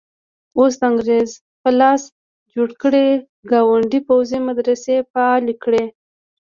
اوس د انګریز په لاس جوړ کړي ګاونډي پوځي مدرسې فعالې کړي.